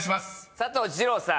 「佐藤二朗」さん。